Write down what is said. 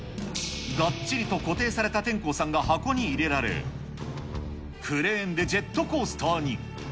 がっちりと固定された天功さんが箱に入れられ、クレーンでジェットコースターに。